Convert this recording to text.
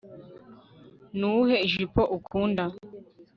nuwuhe ijipo ukunda